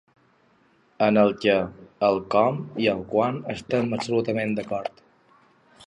En el què, el com i el quan estem absolutament d’acord.